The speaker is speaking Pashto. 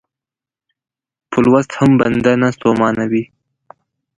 په لوست هم بنده نه ستومانوي.